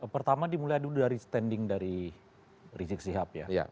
pertama dimulai dulu dari standing dari rizik sihab ya